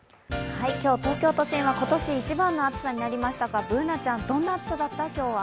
今日、東京都心は今年一番の暑さになりましたがＢｏｏｎａちゃん、今日はどんな暑さだった？